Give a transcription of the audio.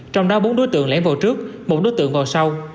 trong đó bốn đối tượng lén vào trước một đối tượng vào sau